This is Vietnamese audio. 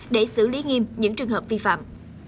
để xử lý nghiêm những trường hợp vi phạm